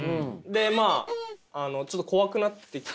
でまあちょっと怖くなってきて。